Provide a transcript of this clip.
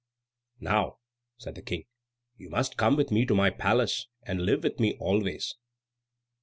"Now," said the King, "you must come with me to my palace, and live with me always."